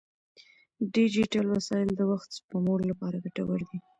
ډیجیټل وسایل د وخت سپمولو لپاره ګټور دي.